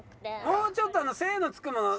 もうちょっと精のつくもの